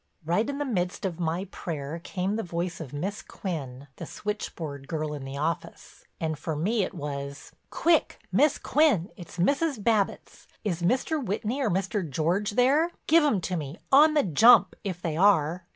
Right in the midst of my prayer came the voice of Miss Quinn, the switchboard girl in the office, and for me it was: "Quick, Miss Quinn—it's Mrs. Babbitts. Is Mr. Whitney or Mr. George there? Give 'em to me—on the jump—if they are."